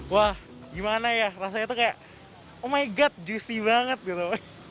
wah gimana ya rasanya tuh kayak oh my got juicy banget gitu